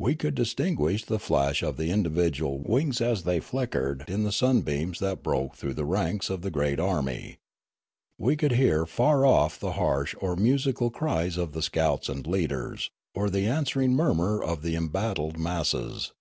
We could distinguish the flash of the individual wings as they flickered in the sunbeams that broke through the ranks of the great army. We could hear far off the harsh or musical cries of the scouts and leaders, or the answering murmur of the embattled masses.